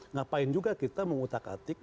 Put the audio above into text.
ngapain juga kita mengutak atik